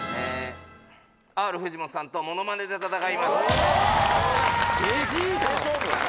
Ｒ藤本さんとモノマネで戦います。